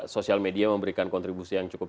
sosial media memberikan kontribusi yang cukup